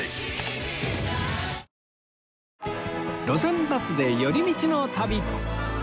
『路線バスで寄り道の旅』